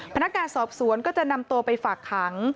พนักงานสอบสวนก็จะนำตัวไปฝากขัง